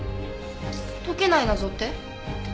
解けない謎って？